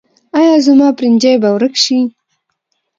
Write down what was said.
ایا زما پرنجی به ورک شي؟